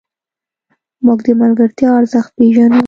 موږ د ملګرتیا ارزښت پېژنو.